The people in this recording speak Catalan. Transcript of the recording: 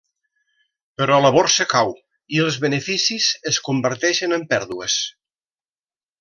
Però la borsa cau i els beneficis es converteixen en pèrdues.